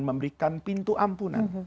memberikan pintu ampunan